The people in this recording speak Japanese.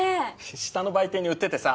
下の売店に売っててさ